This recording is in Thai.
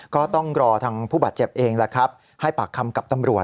ก็ต้องรอทางผู้บาดเจ็บเองแหละครับให้ปากคำกับตำรวจ